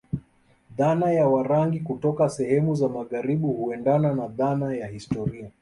Dhana ya Warangi kutoka sehemu za magharibi huendena na dhana ya historia